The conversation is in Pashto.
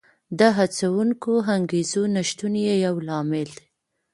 د هڅوونکو انګېزو نشتون یې یو لامل دی